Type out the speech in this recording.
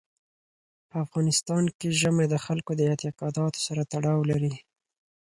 په افغانستان کې ژمی د خلکو د اعتقاداتو سره تړاو لري.